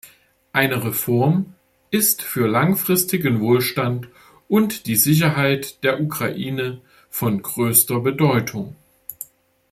Eine Reform ist für langfristigen Wohlstand und die Sicherheit der Ukraine von größter Bedeutung.